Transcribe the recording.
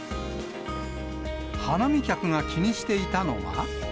花見客が気にしていたのは。